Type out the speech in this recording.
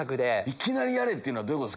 いきなりやれ！っていうのはどういうこと？